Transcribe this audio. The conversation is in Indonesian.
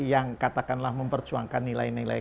yang katakanlah memperjuangkan nilai nilai